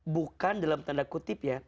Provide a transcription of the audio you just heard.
bukan dalam tanda kutip ya